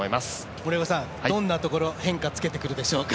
森岡さん、どんなところ変化をつけてくるでしょうか？